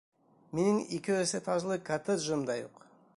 Минең ике-өс этажлы коттеджым да юҡ!